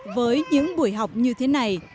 với những buổi học như thế này